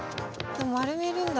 丸めるんだ。